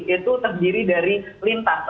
itu terdiri dari lintas